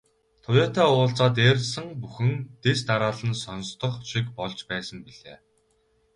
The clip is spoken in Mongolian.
Туяатай уулзаад ярьсан бүхэн дэс дараалан сонстох шиг болж байсан билээ.